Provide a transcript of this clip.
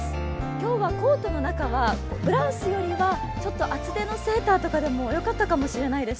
今日はコートの中はブラウスよりは、ちょっと厚手のセーターとかでもよかったかもしれないです。